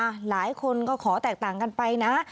หลายคนก็ขอแตกต่างกันไปนะ